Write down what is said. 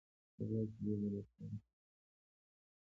د غوا شیدې د روغتیا لپاره مهمې دي.